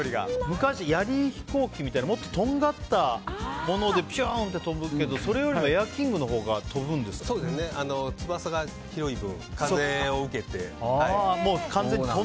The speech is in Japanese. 昔、やり飛行機みたいなもっととんがったものでぴゅんって飛ぶけどそれよりエアーキングのほうがそうですね、翼が広い分風を受けて。